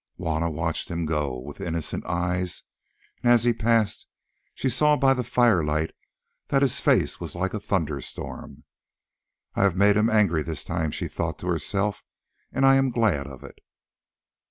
Juanna watched him go with innocent eyes, and as he passed she saw by the firelight that his face was like a thunderstorm. "I have made him angry this time," she thought to herself, "and I am glad of it.